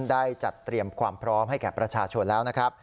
ได้จัดเตรียมความพร้อมให้แก่ประชาชนแล้วนะครับ